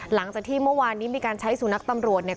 หลังจากที่เมื่อวานนี้มีการใช้สุนัขตำรวจเนี่ย